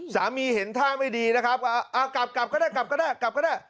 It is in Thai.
สามีเห็นท่าไม่ดีนะครับอ่ากลับกลับก็ได้กลับก็ได้